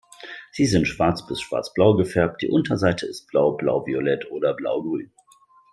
Sie sind schwarz bis schwarzblau gefärbt, die Unterseite ist blau, blauviolett oder blaugrün.